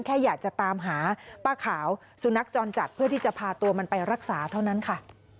แค่อยากจะตามหาป้าขาวสุนัขจรจัดเพื่อที่จะพาตัวมันไปรักษาเท่านั้นค่ะ